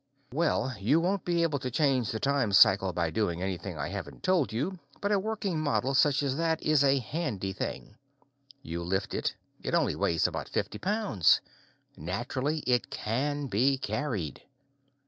Well, you won't be able to change the time cycle by doing anything I haven't told you, but a working model such as that is a handy thing. You lift it; it only weighs about fifty pounds! Naturally, it can be carried.